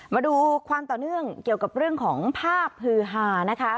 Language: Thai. มาดูความต่อเนื่องเกี่ยวกับเรื่องของภาพฮือฮานะคะ